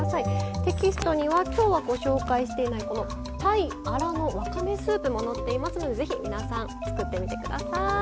テキストには今日はご紹介していないこのたいアラのわかめスープも載っていますので是非皆さん作ってみてください。